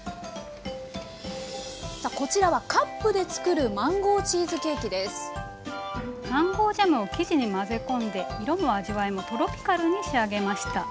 さあこちらはカップで作るマンゴージャムを生地に混ぜ込んで色も味わいもトロピカルに仕上げました。